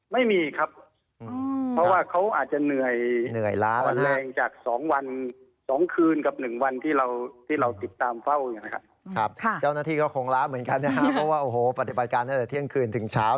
ไม่มีครับเพราะว่าเขาอาจจะเหนื่อย